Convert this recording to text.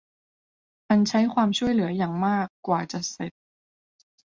มันใช้ความช่วยเหลืออย่างมากกว่าจะเสร็จ